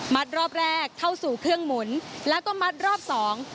รอบแรกเข้าสู่เครื่องหมุนแล้วก็มัดรอบสอง